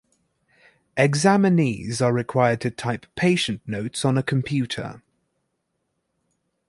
Examinees are required to type patient notes on a computer.